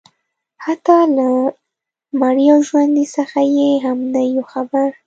حتی له مړي او ژوندي څخه یې هم نه یو خبر